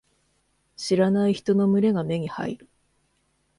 知らない人の群れが目に入る。